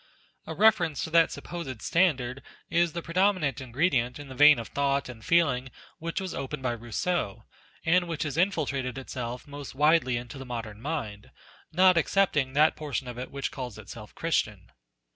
A reference to that supposed standard is the predominant ingredient in the vein of thought JT o o and feeling which was opened by Eousseau, and which has infiltrated itself most widely into the modern mind, not excepting that portion of it which calls itself Christian.